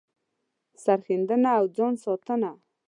سر ښندنه او ځان ساتنه